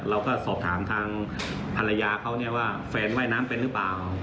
เราก็สอบถามทางภรรยาเขาเนี่ยว่าแฟนว่ายน้ำเป็นหรือเปล่า